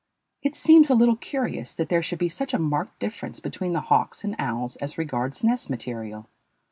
It seems a little curious that there should be such a marked difference between the hawks and owls as regards nest material.